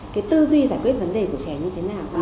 cái tư duy giải quyết vấn đề của trẻ như thế nào